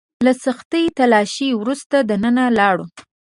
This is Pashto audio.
له سختې تلاشۍ وروسته دننه لاړو.